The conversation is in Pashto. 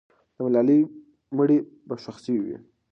د ملالۍ مړی به ښخ سوی وي.